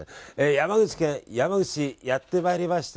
山口県山口市やってまいりました。